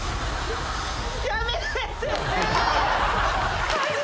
やめて。